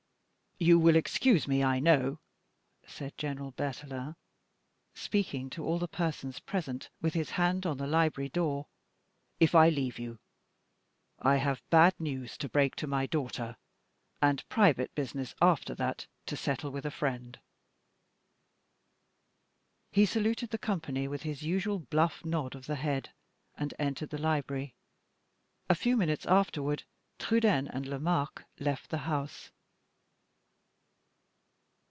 "You will excuse me, I know," said General Berthelin, speaking to all the persons present, with his hand on the library door, "if I leave you. I have bad news to break to my daughter, and private business after that to settle with a friend." He saluted the company, with his usual bluff nod of the head, and entered the library. A few minutes afterward, Trudaine and Lomaque left the house.